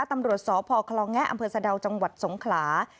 ตำรวจสพคลองแงะอำเภอสะดาวจังหวัดสงขลา